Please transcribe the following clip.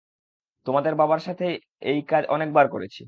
তোমাদের বাবার সাথে এই কাজ অনেকবার করেছি।